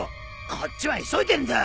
こっちは急いでんだ！